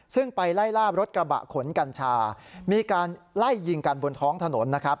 ซึ่งไปไล่ล่ารถกระบะขนกัญชามีการไล่ยิงกันบนท้องถนนนะครับ